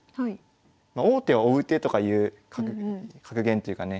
まあ「王手は追う手」とかいう格言というかね